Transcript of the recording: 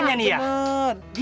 jangan siapin banget sih